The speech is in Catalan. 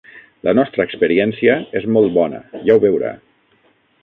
La nostra experiència és molt bona, ja ho veurà.